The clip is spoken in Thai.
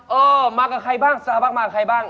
เออมากับใครบ้างซาบ้างมากับใครบ้าง